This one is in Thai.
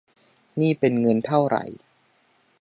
นี่เป็นเงินเท่าไหร่